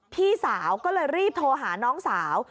พี่สาวก็เลยรีบโทรหาน้องสาว